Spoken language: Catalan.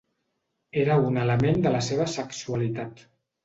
Era un element de la seva sexualitat.